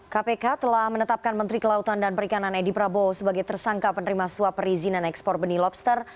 kpk telah menetapkan menteri kelautan dan perikanan edi prabowo sebagai tersangka penerima suap perizinan ekspor benih lobster